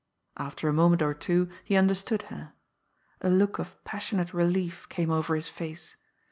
After a moment or two he understood her. A look of passionate relief came over his face.